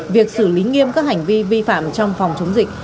việc xử lý nghiêm các hành vi vi phạm trong phòng chống dịch